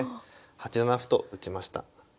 ８七歩と打ちました。